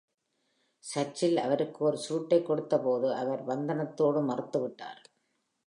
சர்ச்சில் அவருக்கு ஒரு சுருட்டைக் கொடுத்த போது அவர் வந்தனத்தோடு மறுத்துவிட்டார்.